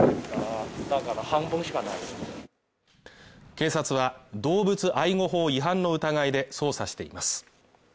警察は動物愛護法違反の疑いで捜査しています。